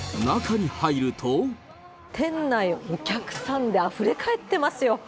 店内、お客さんであふれ返ってますよ。